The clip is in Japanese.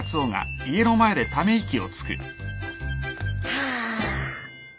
ハァ。